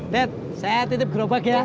ded saya titip gerobak ya